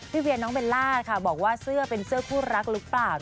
พี่เวียนโน้นเบลลาบอกว่าเสื้อเป็นเข้าคู่รักหรือเปล่านะ